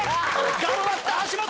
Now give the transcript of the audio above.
頑張った橋本！